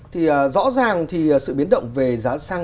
thì rõ ràng thì sự biến động về giá xăng